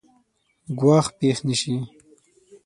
ګواښ پېښ نه شي.